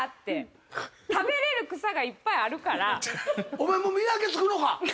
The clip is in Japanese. お前もう見分けつくのか？